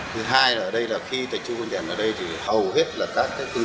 thứ hai là khi địch thu công trình ở đây thì hầu hết là các công trình